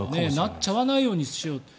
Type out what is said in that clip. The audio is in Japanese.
なっちゃわないようにしよう。